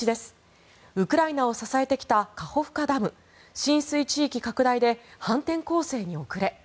１、ウクライナを支えてきたカホフカダム浸水地域拡大で反転攻勢に遅れ。